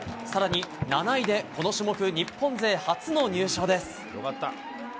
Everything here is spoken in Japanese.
更に７位で、この種目日本勢初の入賞です。